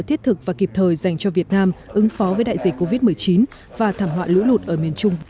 thiết thực và kịp thời dành cho việt nam ứng phó với đại dịch covid một mươi chín và thảm họa lũ lụt ở miền trung